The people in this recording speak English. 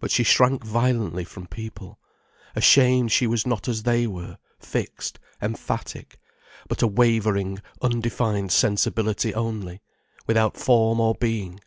But she shrank violently from people, ashamed she was not as they were, fixed, emphatic, but a wavering, undefined sensibility only, without form or being.